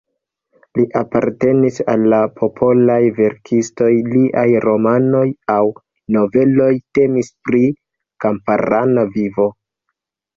Li apartenis al la popolaj verkistoj, liaj romanoj aŭ noveloj temis pri kamparana vivo.